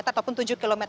ataupun tujuh km